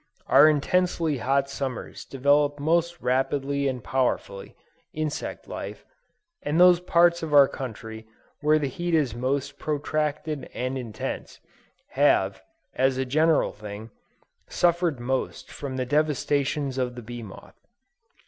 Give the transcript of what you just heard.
Our intensely hot summers develop most rapidly and powerfully, insect life, and those parts of our country where the heat is most protracted and intense, have, as a general thing, suffered most from the devastations of the bee moth.